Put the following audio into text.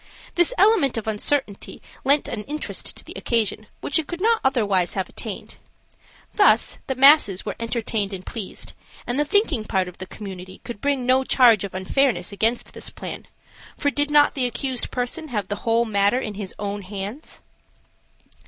This element of uncertainty lent an interest to the occasion which it could not otherwise have attained. Thus, the masses were entertained and pleased, and the thinking part of the community could bring no charge of unfairness against this plan, for did not the accused person have the whole matter in his own hands?